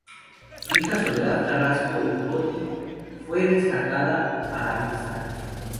Su hija Soledad Carrasco Urgoiti, fue una destacada arabista.